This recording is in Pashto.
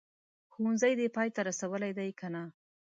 ښوونځی دي پای ته رسولی دی که نه ؟